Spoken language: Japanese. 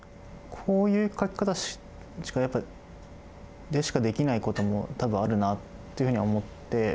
こういう書き方でしかできないことも多分あるなっていうふうに思って。